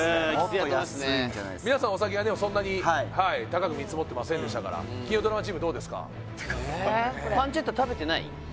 皆さんお酒はそんなに高く見積もってませんでしたから金曜ドラマチームどうですか？